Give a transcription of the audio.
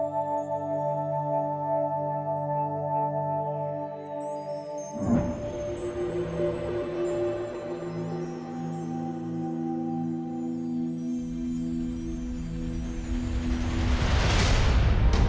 cinta gue ini dan aku juga tau arrogant satu ratus sepuluh